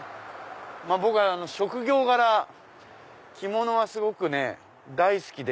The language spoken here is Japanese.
僕は職業柄着物はすごく大好きで。